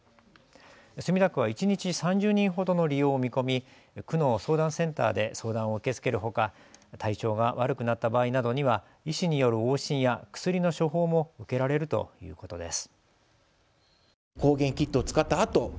墨田区は一日３０人ほどの利用を見込み、区の相談センターで相談を受け付けるほか体調が悪くなった場合などには医師による往診や薬の処方も受けられるということです。